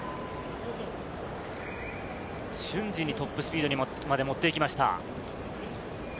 瞬時にトップスピードまで持っていきました。